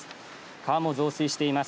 川も増水しています。